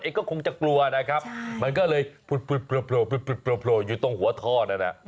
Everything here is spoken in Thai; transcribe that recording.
ที่มันเอกะคงจะกลัวนะครับมันก็เลยบล่อบล่อยอยู่ตรงหัวทอด